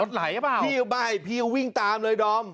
ไหลหรือเปล่าพี่ก็ไม่พี่ก็วิ่งตามเลยดอม